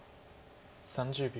３０秒。